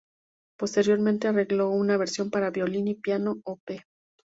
Posteriormente arregló una versión para violín y piano, Op.